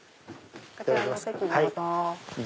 こちらのお席どうぞ。